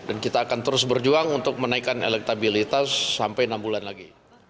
dan kita akan terus berjuang untuk menaikkan elektabilitas sampai enam bulan lagi